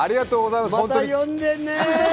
また呼んでね。